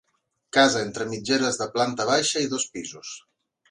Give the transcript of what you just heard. Casa entre mitgeres de planta baixa i dos pisos.